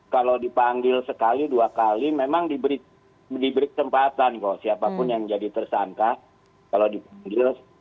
kalau dipanggil sekali dua kali memang diberi kesempatan kok siapapun yang jadi tersangka kalau dipanggil